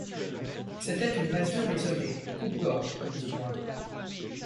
C’était une masure isolée, coupe-gorge au besoin.